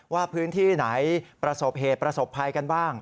ว่าพื้นที่ไหนประสบเหตุประสบภัยกันบ้าง